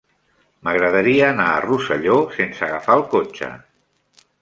M'agradaria anar a Rosselló sense agafar el cotxe.